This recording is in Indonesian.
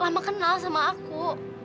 lama kenal sama aku